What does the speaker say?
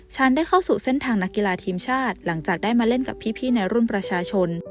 ฉันได้เข้าสู่เส้นทางนักกีฬาทีมชาติหลังจากได้มาเล่นกับพี่ในรุ่นประชาชน